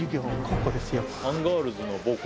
アンガールズの母校。